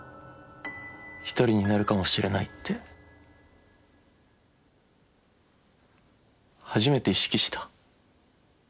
１人になるかもしれないって初めて意識した。